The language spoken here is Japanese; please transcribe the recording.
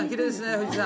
富士山。